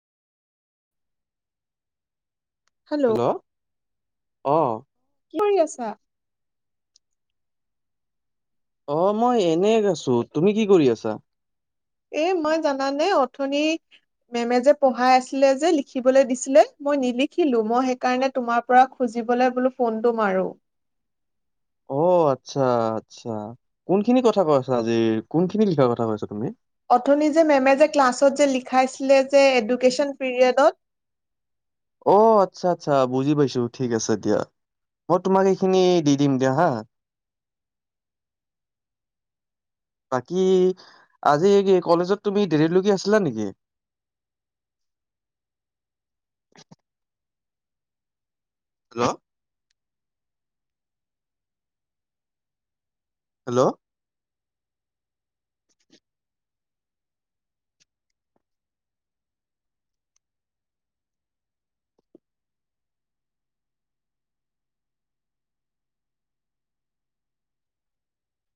Hello অ' কি কৰি আছা? অ' মই এনে আছো তুমি কি কৰি আছা? এ মই জানানে অথনি মেমে যে পঢ়াই আছিলে যে লিখিবলে দিছিলে মই নিলিখিলো মই সেইকাৰণে তোমাৰ পৰা খুজি [unintelligible] বোলো ফোনটো মাৰো অ' আচ্ছা আচ্ছা কোনখিনি কথা কৈছা আজিৰ কোনখিনি লিখাৰ কথা কৈছা তুমি? অথনি যে মেমে যে ক্লাছত যে লিখাইছিলে যে এডুকেশ্যন পিৰিয়ডত [inaudible] অ' আচ্ছা আচ্ছা বুজি পাইছো ঠিক আছে দিয়া। মই, তোমাক এইখিনি দি দিম দিয়া হা। বাকী আজি কলেজত তুমি দেৰিলৈকে আছিলা নেকি? আ হেল্ল' হেল্ল'